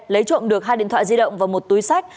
lấy trộm được hai điện thoại di động và một túi sách